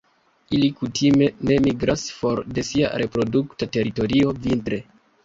Ili kutime ne migras for de sia reprodukta teritorio vintre.